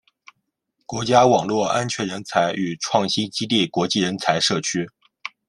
国家网络安全人才与创新基地国际人才社区